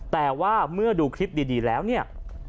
แต่ว่าเมื่อดูคลิปดีแล้วเนี่ย